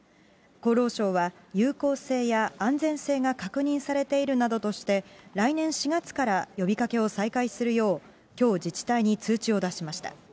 厚労省は、有効性や安全性が確認されているなどとして、来年４月から呼びかけを再開するよう、きょう、自治体に通知を出しました。